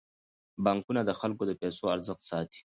بانکونه د خلکو د پيسو ارزښت ساتي.